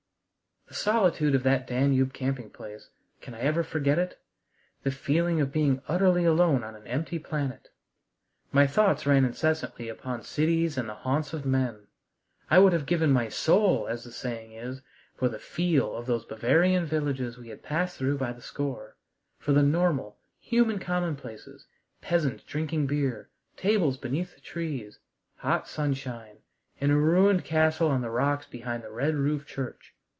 The solitude of that Danube camping place, can I ever forget it? The feeling of being utterly alone on an empty planet! My thoughts ran incessantly upon cities and the haunts of men. I would have given my soul, as the saying is, for the "feel" of those Bavarian villages we had passed through by the score; for the normal, human commonplaces, peasants drinking beer, tables beneath the trees, hot sunshine, and a ruined castle on the rocks behind the red roofed church.